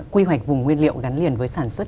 quy hoạch vùng nguyên liệu gắn liền với sản xuất